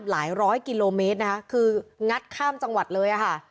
ร้อยกิโลเมตรนะคะคืองัดข้ามจังหวัดเลยอะค่ะ